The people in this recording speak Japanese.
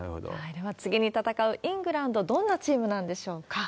では次に戦うイングランド、どんなチームなんでしょうか。